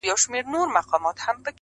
ما سوري كړي د ډبرو دېوالونه!.